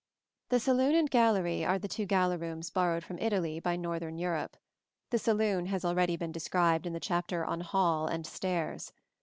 ] The saloon and gallery are the two gala rooms borrowed from Italy by northern Europe. The saloon has already been described in the chapter on Hall and Stairs.